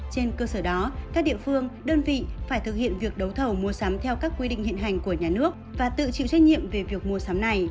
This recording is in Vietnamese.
trên cơ sở đó các địa phương đơn vị phải thực hiện việc đấu thầu mua sắm theo các quy định hiện hành của nhà nước